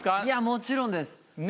もちろんです。